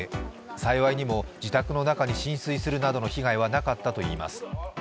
幸いにも自宅の中に浸水するなどの被害はなかったといいます。